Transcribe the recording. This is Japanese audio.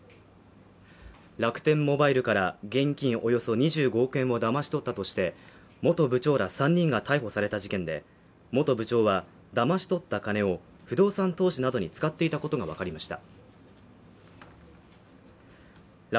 楽天モバイルから現金およそ２５億円をだまし取ったとして元部長ら３人が逮捕された事件で、元部長はだまし取った金を、不動産投資などに使っていたことがわかりました。